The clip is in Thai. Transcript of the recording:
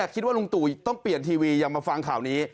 คิดว่าลุงตู่ต้องเปลี่ยนทีวียังมาฟังข่าวนี้